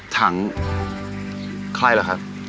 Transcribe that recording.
ทังใครเหรอครับ